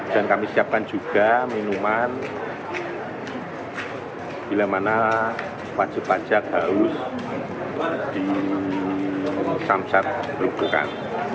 dan kami siapkan juga minuman bila mana wajib pajak harus disamsat grobogan